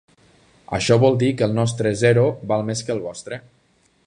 Això vol dir que el nostre zero val més que el vostre.